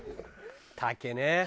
竹ね。